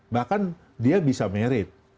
bahkan dia bisa married